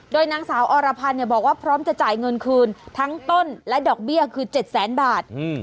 โดยนางสาวอรพันธ์บอกว่าพร้อมจะจ่ายเงินคืนทั้งต้นและดอกเบี้ยคือ๗แสนบาท